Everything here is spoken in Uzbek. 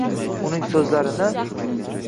uning so’zlarini